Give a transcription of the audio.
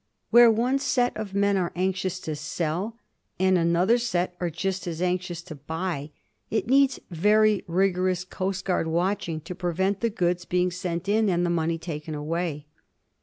Where one set of men are anxious to sell, and another set are just as anxious to buy, it needs very rigorous coastguard watching to prevent the goods being sent in and the money taken away.